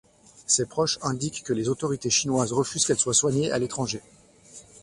Ses proches indiquent que les autorités chinoises refusent qu'elle soit soignée à l'étranger.